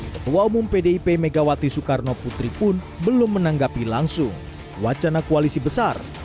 ketua umum pdip megawati soekarno putri pun belum menanggapi langsung wacana koalisi besar